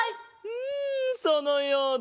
うんそのようだ。